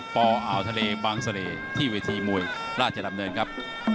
ฟอร์อ่าวแถเลบางซะเรที่วิธีมวยราชดำเนินครับ